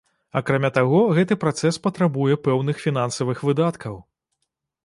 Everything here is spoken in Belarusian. Акрамя таго, гэты працэс патрабуе пэўных фінансавых выдаткаў.